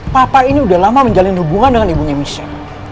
papa ini sudah lama menjalin hubungan dengan ibunya misha